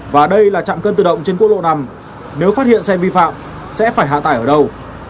và đây là trạm cân tự động trên quốc lộ năm nếu phát hiện xe vi phạm sẽ phải hạ tải ở đâu